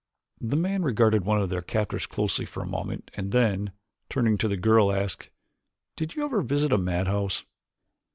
The man regarded one of their captors closely for a moment and then, turning to the girl asked, "Did you ever visit a madhouse?"